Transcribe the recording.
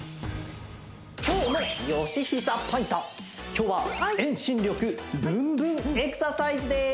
今日は遠心力ブンブンエクササイズです